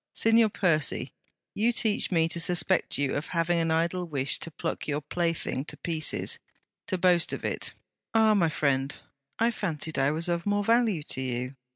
'Signor Percy, you teach me to suspect you of having an idle wish to pluck your plaything to pieces: to boast of it? Ah! my friend, I fancied I was of more value to you.